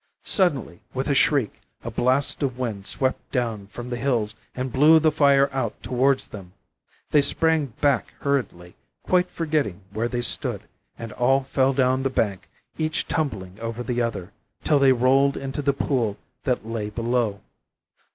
Suddenly, with a shriek, a blast of wind swept down from the hills and blew the fire out towards them. They sprang back hurriedly, quite forgetting where they stood, and all fell down the bank, each tumbling over the other, till they rolled into the pool that lay below.